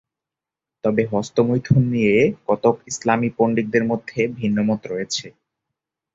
তবে হস্তমৈথুন নিয়ে কতক ইসলামী পণ্ডিতের মধ্যে ভিন্নমত রয়েছে।